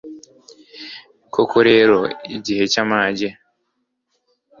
Koko rero igihe cy’amage